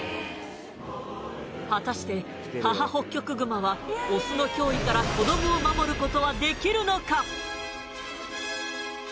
果たして母ホッキョクグマはオスの脅威から子どもを守ることはできるのか？